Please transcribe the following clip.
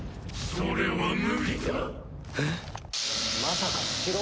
それは無理だ。